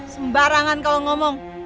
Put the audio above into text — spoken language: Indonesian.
sembarangan kalau ngomong